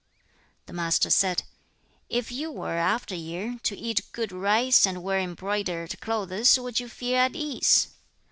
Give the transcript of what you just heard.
4. The Master said, 'If you were, after a year, to eat good rice, and wear embroidered clothes, would you feel at ease?'